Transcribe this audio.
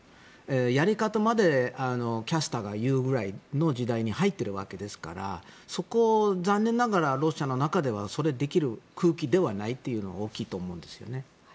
やり方までキャスターが言うぐらいの時代に入っているわけですからそこを残念ながらロシアの中ではそれができる空気ではないというのは大きいと思うんですよね。